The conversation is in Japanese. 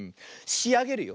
しあげるよ。